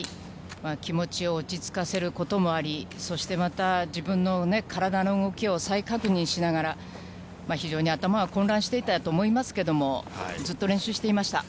気持ちを落ち着かせることもあり、そしてまた、自分のね、体の動きを再確認しながら、非常に頭は混乱していたと思いますけども、ずっと練習していました。